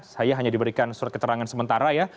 saya hanya diberikan surat keterangan sementara ya